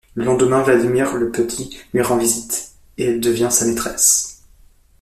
Le lendemain, Vladimir le petit lui rend visite, et elle devient sa maîtresse.